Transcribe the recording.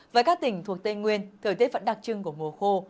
với các tỉnh thuộc tây nguyên thời tiết vẫn đặc trưng của mùa khô